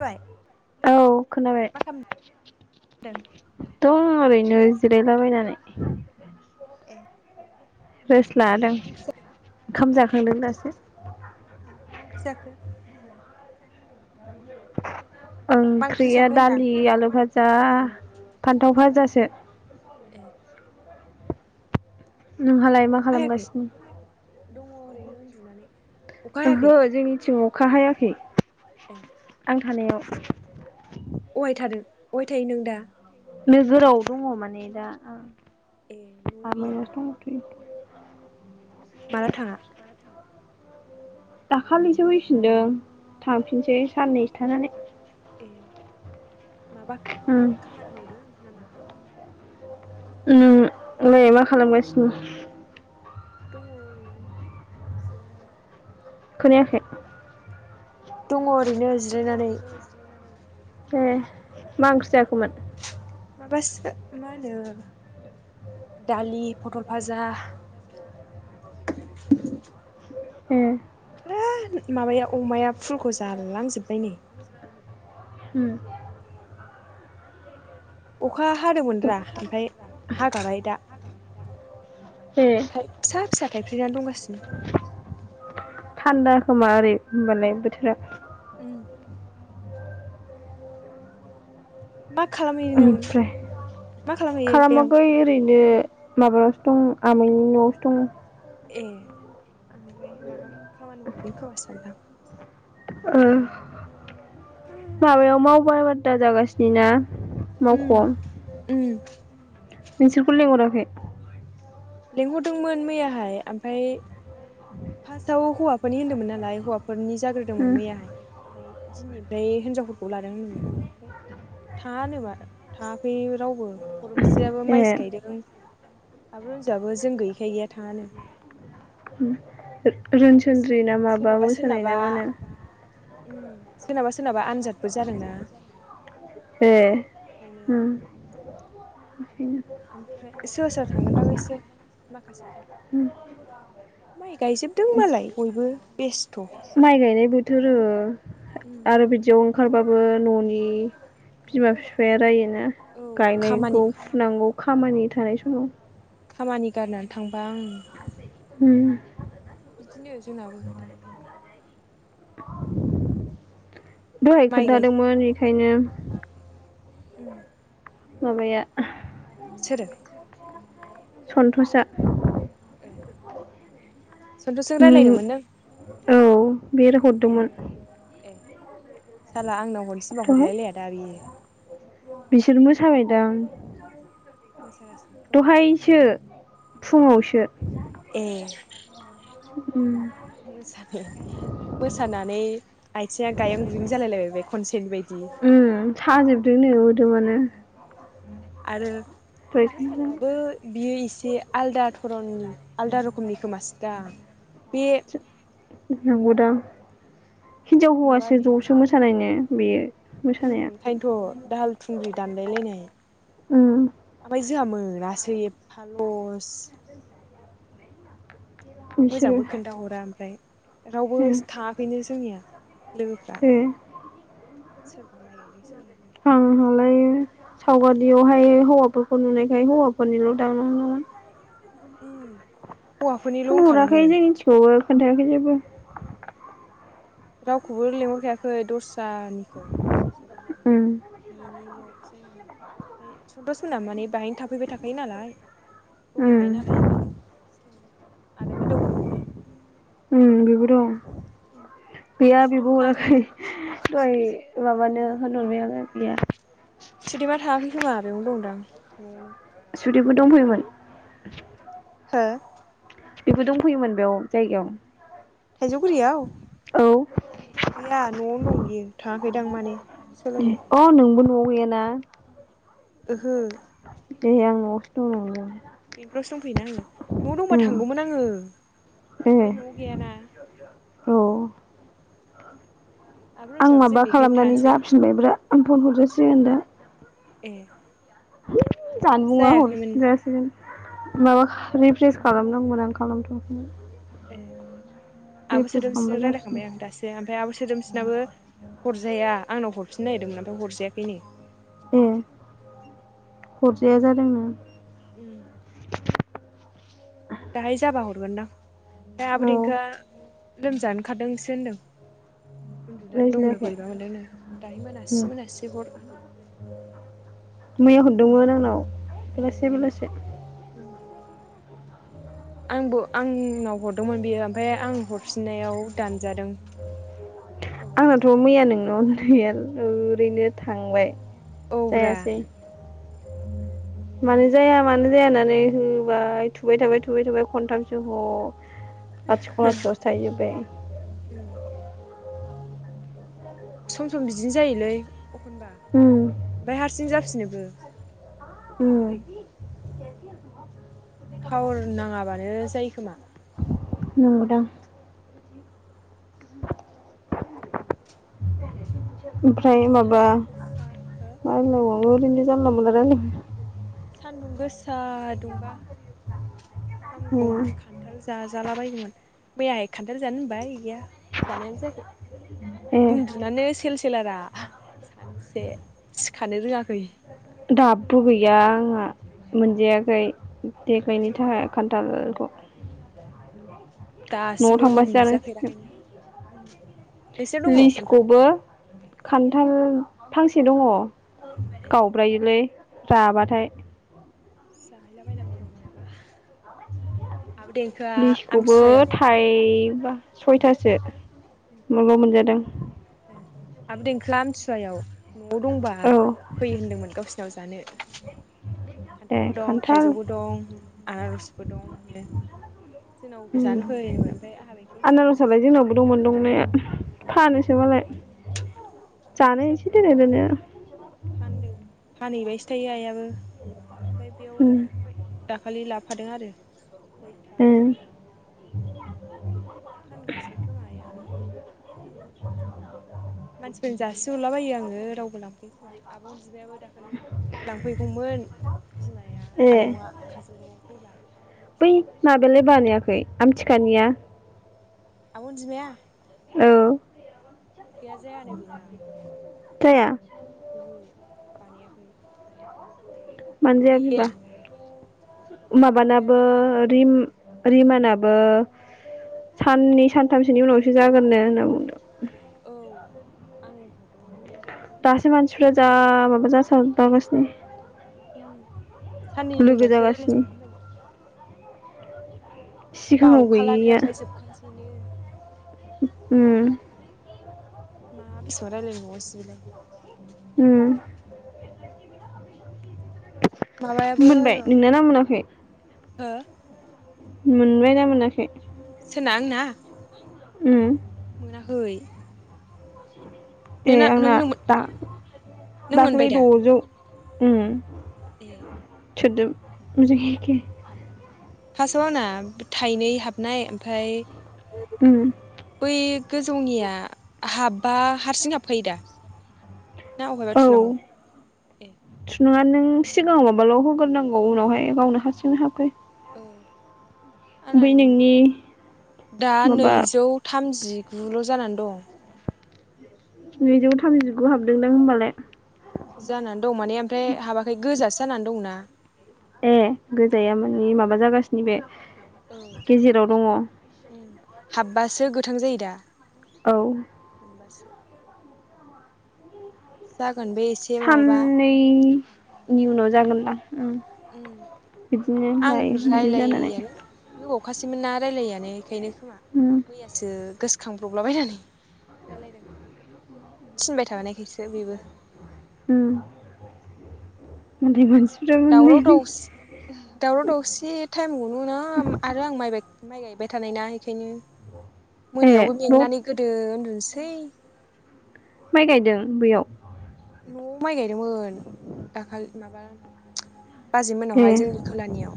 बाय औ खोनाबाय। दं ओरैनो जिरायलाबायनानै ए रेस्ट लादों मा ओंख्रि जाखो? ओंखाम दङ' जाखांदों ओरैनो। दासो ए मा ओंख्रि जाखो? [inaudible] मा ओंख्रि ओंख्रिया जाखो होनदां दालि आलु भाजा फान्थाव भाजासो। ए नोंहालाय मा अखा हायाखै खालामगासिनो? दङ' ओरैनो उन्दुनानै। अखा हायाखै ओहो जोंनिथिं अ खा हायाखै। ए आं थानायाव अहाय थादों अहाय थायो नों दा? नोगोराव दङ' माने दा आं। ए न'आव गैया आमायनावसो दंथ'यो। माला थाङा? दाखालैसो फैफिनदों थांफिनसै साननैसो थानानै। ए माबा उम खामानि मावदों नामा? उम मो मा खालामगासिनो? दङ' ओरैनो जिरायनानै। खोनायाखै? दङ' ओरैनो जिरायनानै। ए मा ओंख्रि जाखोमोन? माबासो मा होनो दालि पटल भाजा। ए [unintelligible] माबाया अमाया फुलखौ जालांजोबबाय नै। होम अखा हादोमोनरा ओमफ्राय हागाबाय दा ए थाइ फिसा फिसा थाइफ्रिनानै दंगासिनो। थान्दा खोमा ओरै होमबालाय बोथोरा। उम मा खालामहैयो नों ओमफ्राय मा खालामहैयो बेयाव? नो माबायावसो दं आमाइनि न'आवसो दं। ए आंहालाय माबा खामानि मावहैदों खोमासो सानदां। ओ माबायाव मावबा दा जागासिनो ना। उम मावख'आव उम। नोंसोरखौ लेंहराखै? लेंंहरदोंमोन मैयाहाय ओमफाय फासाव हौवाफोरनि होनदोंमोन नालाय हौवाफोरनि उम जाग्रोदोंमोन मैयाहाय ओमफाय दिनैनिफ्राय हिनजावफोरखौ लादों होनदोंमोन ओमफाय थाङा होनोबा थाङाखै रावबो फरमस्रियाबो ए माइसो गायदों आब' रन जियाबो जों गैखाय गैया थाङानो। आरो सोर रोनसोनद्रि ना माबा सोरनाबा मोसानाय ना सोरनाबा मानो। उम सोरनाबा सोरनाबा आन्जादबो जादोंना। ए बेखायनो उम। ओमफ्राय सोर सोर थांगोनदां इसोर माखासेफ्रा उम माइ गायजोबदों मालाय बयबो बेस माइ गायनाय बोथोर ओ उम आरो बिदियाव ओंखारबाबो न'नि बिमा फिफाया रायो ना औ खामानि गायनायखौ फुनांगौ। खामानि थानाय समाव। खामानि गारनानै थांबा आं हुम। बिदिनो जोंनाबो दाथ। दहाय माइ गाय खोन्थादोंमोन बेखायनो उम। माबाया सोरो सन्थसआ [inaudible] सन्तुसजों रायलायदोंमोन नों? उम बिर हरदोंमोन ए साला आंनाव हरनो थिनबा दहाय सरदार लाया दा बियो बिसोर मोसाबायदां मोसागासिनो खोमा आं दहायसो फुङावसो ए उम मोसानाया मोसानानै आथिङा गायें गुयं जालायलायबाय बे खनसेनि बायदि उम साजोबदोंनो मोदोमानो आरो दहाय मोसानायाबो बियो एसे आलदा धरननि आलदा रोखोमनि खोमासोदां बे नंगौदां हिनजाव हौवासो माबानि ज'सो मोसानाय नो बेयो उम मोसानाया ओंखायनथ दाहाल थुंग्रि दानलायलायनाय उम फाय जोंहा मोनासै एफफा लस बिसोरो मोजांबो खोन्थाहरा ओमफ्राय रावबो उम थाङाखैनो जोंनिया लोगोफ्रा ए सोरबा माइ गायदो [inaudible] आंहालाय सावगारियावहाय हौवाफोरखौ नुनायखाय हौवाफोरनिल' दां उम हौवाफोरनिल' फन हराखै होनखादोंमोन जोंनि [unintelligible] खौबो खोन्थायाखै जेबो रावखौबो लेंंहरखायाखै दस्रानि खौ [unintelligible] ओमफ्राय उम बिनिल' जायगानि नाम सन्थस मोना माने बाहायनो थाफैबाय थाखायो नालाय उम दंहैखायो नालाय ओंखायनो आदा बेरदावबो दंना उम बेबो दं गैया सुदेम बिबो था हराखै दहाय माबानो होनहरबाय आं [unintelligible] सुदिमा थाङाखै खोमा बेयावनो दंदां न'आवनो सुदेमबो दंफैयोमोन हो बेबो दंफैयोमोन बेयाव जायगायाव थाइजौगुरियाव औ गैया न'आवनो दं बियो थाङाखैदां माने सोलोंनो इयोना ओहो दे आं न'आवसो दं नंदों बेंथलावसो दंफैयोना आङो न'आव दंबा उम थांगौमोन आङो ए फाय न'आव गैयाना औ आब' आं रनजुआबो जों माबा बेखायनो खालामनानै थाङासै जाफिनबाय ब्रा आं फन हरजास जों दा ए [unintelligible] जानबुङा जायाखैमोन हरफिनोसै माबा रिप्रेस खालामनांगौ नो आं खालामथ'वाखैमोन ए आब' रिफ्रेस खालामबा सोदोमस्रिजों जाफिनो राचलायखांबाय आं दासो ओमफ्राय आब' सोदोमसिनाबो हरजाया आंनाव हरफिननो नागिरदोंमोन ओमफ्राय हरजायाखै नो ए हरजाया जादोंनो उम दाहाय जाबा हरगोनदां आब' औ दिंखोआ लोमजानो खारदोंसो होनदों उन्दुनानै दंनो रायज्लायाखै बोरैबा मोनदोंनो दाहाय मोनासि मोनासे हर होन मैया हरदोंमोन आंनाव बेलासि ए बेलासि आंबो आंनाव हरदोंमोन बेयो ओमफाय आं हरफिननायाव दानजादों प्रब्लेमसो आंनाथ' मैया माबा नोंनाव गैया ओरैनो थांबाय औब्रा जायासै मानो जाया मानो जाया होननानै होबाय थुबाय थाबाय थुबाय थाबाय खनथामसो ह लाथिख' लाथिख' सो थाहैजोबबाय सम सम बिदिनो जायोलै एखनबा ओमफ्राय हारसिं जा फिनोबो उम थावर नाङाबा नो जायो खोमा नंगौदां ओमफ्राय माबा सानदुं गोसा हो मा होननांगौ ओरैनो जानला मोनला रायलायबाय सान्दुं गोसा दुंबा हामगौमोन रायलायबाय खान्थाल जाजाला बायगौमोन मैयाहाय खान्थाल जानो होनबाय गैया जानायानो जायाखै ए उन्दुनानै सेल सेलारा सानसे सिखानो रोङाखै दाबबो गैया आंहा मोनजायाखै देग्लायनि गैया थाखाय खान्थालखौ नआव दासिमबो थांबासो मोनजाफेराखैनो नोंसोर जानांसिगोन दङ खान्थाल लिसुखौबो खान्थाल फांसे दङ ए गावब्रायोलै राबाथाय जाहैलाबायनांगौ र मालाबा आब देंखोआ लिसुखौबो आमथिसुवायाव थाइ बा सयथासो माबा मोनजादों आब देंखोआ आमथिुवायाव नआव दंबा औ फैयो होनदोंमोन गावसिनाव जानो ए खान्थालबो दं खान्थाल थाइजौबो दं आनारसबो दं होन जोंनाव उम जानो फै होनदोमोन ओमफाय आंहा बेंथलसो दं आनारसालाय नालाय जोंनावबो दंमोन दंनाया फानोसो जोंनाव मालाय जानो [unintelligible] एसे दोनो दोनो फानदों फानैबायसो [unintelligible] ओमफ्राय बेयाव उम मै दाखालि लाब फादों आरो उम खयथासो [inaudible] खोमा आइया मानसिफोरनो जासिहरलाबायो आङो रावबो लांफैया आबअनजिमायाबो दाखालि लांफैगौमोन बिमाया ए आयंआ काजलगावआव फैबा ओमफ्राय बै माबालाय बानायाखै फैयासै आमथिखानिया आब अनजिमाया। औ। गैया जायानो बेना [unintelligible] जाया। ओहो बानायाखै। बे मानजाया बिबा माबानाबो माबायानो रिम रिमानाबो साननै सानथामसोनि उनावसो जागोननो होनना बुंदों। औ आं हरदोंमोन मैयाहाय। ओमफ्राय दासो मानसिफ्रा जा साननैनि उनावसो माबा जासावगासिनो। उम साननैनि उनावसो रायज्लायजागोन होनदोंमोन। सिगाङाव बावखालानो गैयैया ओमफाय जोबखानसैनो। उम। मा बेसेबां रायलायनो मोनबावगोनसि बेलाय। उम। माबायाबो र' मोनबाय [unintelligible] मोनाखै? हो। मोनबायना मोनाखै? [unintelligible] आंना? उम। मोनाखै। ए नोंना आंना नोंनो दा नों मोनबाय दाख्लै दा द'जौ। उम। ए [unintelligible] फास आव आंना थाइनै हाबनाय ओमफाय। उम। गोजौनिया हाबबा हारसिं हाबखायो दा? ना अहायबा औ थुनांगौ ए। थुलुंगा नों सिगाङाव माबाल' होग्रोनांगौ उनावहाय गावनो हारसिंनो हाबखायो। उम नोंनि [unintelligible] दा माबा नैजौ थाम थामजि गुल' जानानै दं। नैजौ थामजिगु हाबदोंदां होमबालाय। जानानै दं माने ओमफ्राय हाबाखै गोजासो जानानै दंना। ए गोजाया माने माबा जागासिनो बे औ गेजेराव दङ औ उम हाबबासो गो थां जायो दा? औ। [unintelligible] जा साननैनि उनाव जागोनदा उम उम्म बिदिनो लायो बिदि जानानै खासैमोन ना रायज्लायैयानो बेखायनो खोमा उम मैयासो गोसो खांब्रबलाबायनानै रायलायदों थिनबाय थाबानायखायसो बेबो। उम्म उन्दै मानसि दावराव दावसि दावराव दावसि टाइम गनो ना आरो आं माइबाय माइ गायबाय थानाय ना एखायनो ए मोनायावबो बहुद मेंनानै गोदो उन्दु सै माइ गायदों बैयाव [unintelligible] माइ गायदोंमोन दाखालि माबा बाजै ए मोननावहाय जोंनि खोलानियाव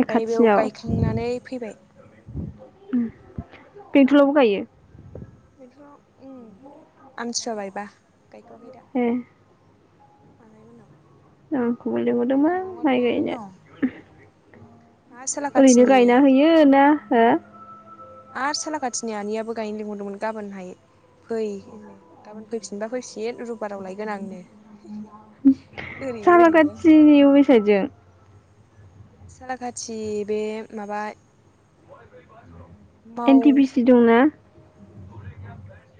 ए बेयाव खाथियाव गायखांनानै फैबाय। बेंथलावबो गायो? बेंथलाव उम्म आमथिुवाबायबा गाय थ'वाखै दा ए आङाय मोननाव [unintelligible] खोबो लिंहरदोंमोन गायनांगौआनो माइ मेरला गायनो। दं आरो साला ओरैनो गायना खाथिनि हैयो ना हो आरो सालाखाथिनि आनैयाबो गायनो लिंहरदोंमोन गाबोनहाय फै गाबोन फैफिनबा फैफिन रबिबाराव लायगोन आंनो। ओरैबो ओरैबो आंहा सालाकाथिनि अबे साइदजों? सालाखाथि बे माबा माव एन टि बि सि दंना?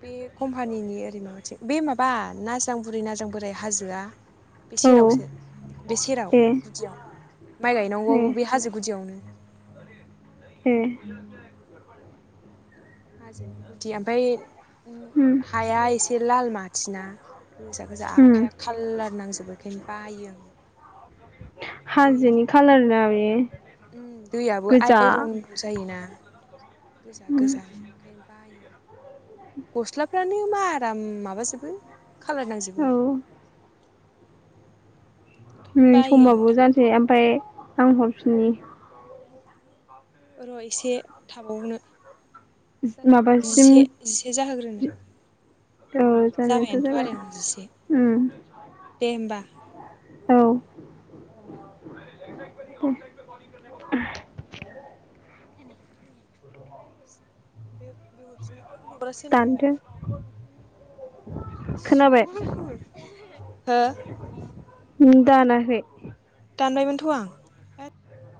बे कम्पानिनि ओरै माबाथिं बे माबा नाजां बुरै नाजां बोराय हाजोआ बे औ सेरावसो बे सेराव ए गुदियाव माइ ए गायनांगौबो बे हाजो गुदियावनो। ए। हाजोनि गुदि ओमफाय उम हाया एसे लाल माथिना गोजा गोजा उम आखाइया खालार नांजोबबो बेखायनो बायो आङो। हाजोनि खालार ना बे? ओम दैयाबो गोजा आइरन जायोना गोजा उम गोजा ओंखायनो बायो। गस्लाफ्रानो माराम माबाजोबो खालार औ नांजोबो। नै बायो आं समाबो थांनो जानोसै ओमफाय आं हरफिनि। र' एसे थाबावनो। जाथ'बाय माबासिम जिसे जिसे जाहोग्रोनो। औ जानायथ' जाबायानोथ' जाबाय आरो आं जिसे ओम। दे होमबा औ दे। [inaudible] बे बेहरसि लबर‌आ सोरनि? दानदो खोनाबाय इसर हो। होम दानाखै। दानबाय मोनथ' आं।